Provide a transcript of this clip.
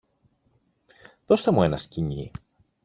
Δώστε μου ένα σκοινί!